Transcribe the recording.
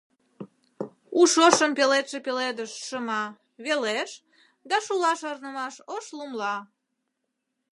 У шошым пеледше пеледыш — шыма — Велеш, да шула шарнымаш ош лумла.